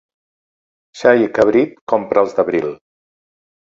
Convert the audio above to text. Xai i cabrit, compra'ls d'abril.